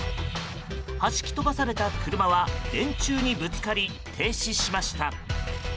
はじき飛ばされた車は電柱にぶつかり停止しました。